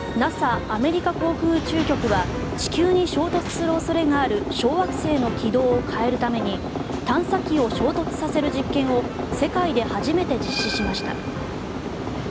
ＮＡＳＡ・アメリカ航空宇宙局は地球に衝突する恐れがある小惑星の軌道を変えるために探査機を衝突させる実験を世界で初めて実施しました。